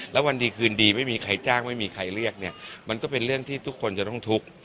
แล้ววันดีคืนดีไม่มีใครจ้างไม่มีใครเรียกเนี่ยมันก็เป็นเรื่องที่ทุกคนจะต้องทุกข์